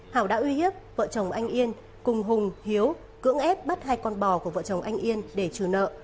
hảo đã uy hiếp vợ chồng anh yên cùng hùng hiếu cưỡng ép bắt hai con bò của vợ chồng anh yên để trừ nợ